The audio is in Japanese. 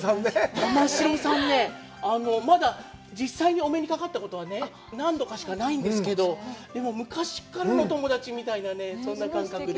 玉城さんね、まだ実際にお目にかかったことは何度かしかないんですけど、でも、昔からのお友達みたいな、そんな感覚で。